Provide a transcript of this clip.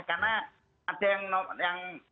karena ada yang